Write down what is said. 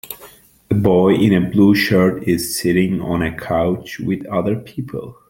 A boy in a blue shirt is sitting on a couch with other people.